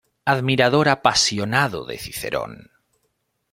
Admirador apasionado de Cicerón.